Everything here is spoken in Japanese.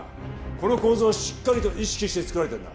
この構造をしっかりと意識して作られているんだ